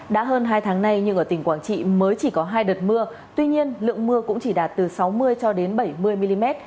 đã hơn hai tháng nay nhưng ở tỉnh quảng trị mới chỉ có hai đợt mưa tuy nhiên lượng mưa cũng chỉ đạt từ sáu mươi cho đến bảy mươi mm